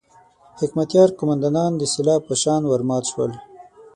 حکمتیار قوماندانان د سېلاب په شان ورمات شول.